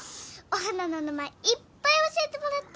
お花の名前いっぱい教えてもらったんだ。